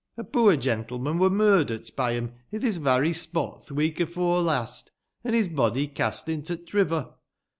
A poor gentleman wur murdert by 'em i' this varry spot th' week 'ef ore last, an' his body cast into t' river.